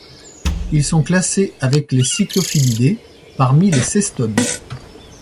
Ils sont classés avec les cyclophyllidés parmi les Cestodes.